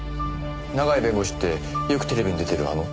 永井弁護士ってよくテレビに出てるあの？